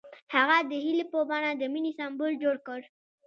هغه د هیلې په بڼه د مینې سمبول جوړ کړ.